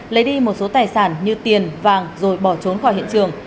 lấy đi một số tài sản như tiền vàng rồi bỏ trốn khỏi hiện trường